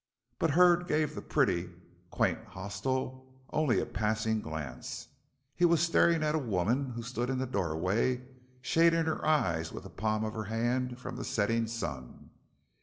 But Hurd gave the pretty, quaint hostel only a passing glance. He was staring at a woman who stood in the doorway shading her eyes with the palm of her hand from the setting sun.